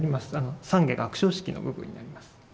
「山家学生式」の部分になります。